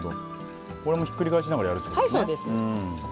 これもひっくり返しながらやるんですね。